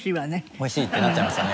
美味しいってなっちゃいますよね。